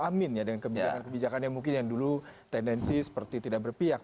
amin ya dengan kebijakan kebijakan yang mungkin yang dulu tendensi seperti tidak berpihak